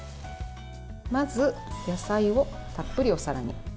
まず野菜を、たっぷりお皿に。